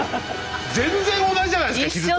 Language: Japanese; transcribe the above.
全然同じじゃないですか昼と！